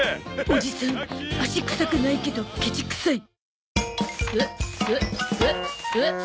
おじさん足臭くないけどケチくさい。